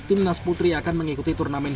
tim nas putri akan mengikuti turnamen